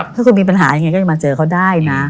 ถ้าคุณมีปัญหายังไงก็จะมาเจอเขาได้นะ